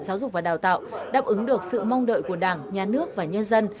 giáo dục và đào tạo đáp ứng được sự mong đợi của đảng nhà nước và nhân dân